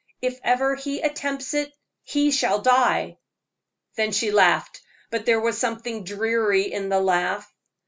If ever he attempts it, he shall die!" Then she laughed; but there was something dreary in the laugh.